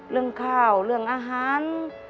เรื่องข้าวเรื่องอาหาร